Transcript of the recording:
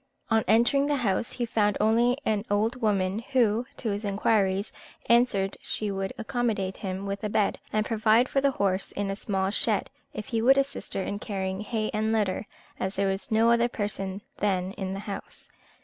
On entering the house, he found only an old woman, who, to his inquiries, answered she would accommodate him with a bed, and provide for the horse in a small shed, if he would assist her in carrying hay and litter, as there was no other person then in the house.